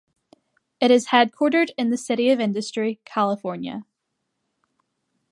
It is headquartered in the City of Industry, California.